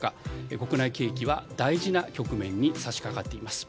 国内景気は大事な局面に差し掛かっています。